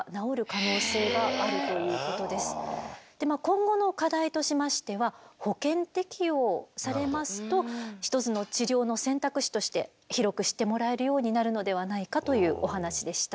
今後の課題としましては保険適用されますと一つの治療の選択肢として広く知ってもらえるようになるのではないかというお話でした。